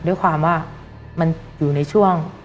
ด้วยความว่ามันอยู่ในช่วง